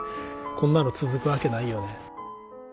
こんなの続くわけないよね。